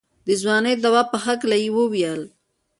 د ځوانۍ د دوا په هکله يې وويل.